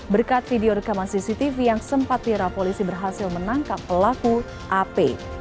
berkat video rekaman cctv yang sempat viral polisi berhasil menangkap pelaku ap